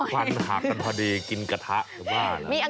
ถักกันพอดีกินกระทะหรือเปล่า